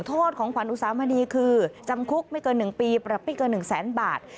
โทษของขวัญอุสามณีคือจำคุกไม่เกิน๑ปีปรับไม่เกิน๑แสนบาท